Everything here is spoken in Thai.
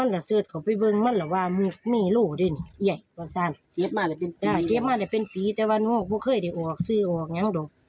เก็บมาได้เป็นปีแต่วันโน้คเคยจะออกสืออย่างนั้นนะ